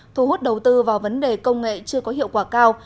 thu hút đầu tư vào vấn đề công nghệ chưa có hiệu quả cao